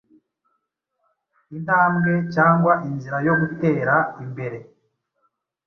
intambwe cyangwa inzirayo gutera imbere